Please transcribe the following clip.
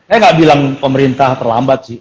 eh gak bilang pemerintah terlambat sih